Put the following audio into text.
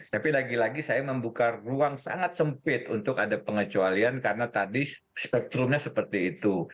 tapi lagi lagi saya membuka ruang sangat sempit untuk ada pengecualian karena tadi spektrumnya seperti itu